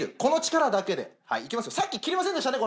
さっき切れませんでしたね